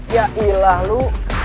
ya ilah lu